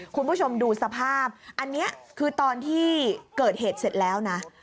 คุณผู้ชมดูสภาพอันนี้คือตอนที่เกิดเหตุเสร็จแล้วนะ